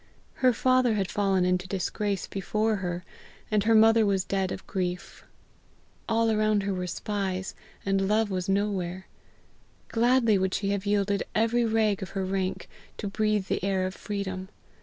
Her father had fallen into disgrace before her, and her mother was dead of grief. All around her were spies, and love was nowhere. Gladly would she have yielded every rag of her rank, to breathe the air of freedom.